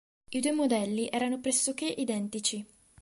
I due modelli erano pressoché identici.